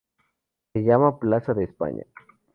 Se llama plaza de España.